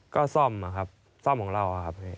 ก็ซ่อมอะครับซ่อมของเราครับพี่